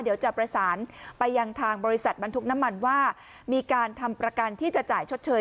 เดี๋ยวจะประสานไปยังทางบริษัทบรรทุกน้ำมันว่ามีการทำประกันที่จะจ่ายชดเชย